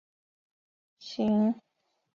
行政中心位于安纳波利斯罗亚尔。